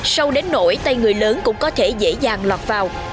sâu đến nổi tay người lớn cũng có thể dễ dàng lọt vào